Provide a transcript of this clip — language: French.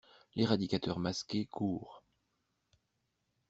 L'éradicateur masqué court.